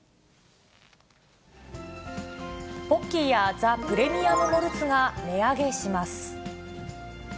ポッキーやザ・プレミアム・モルツが値上げします。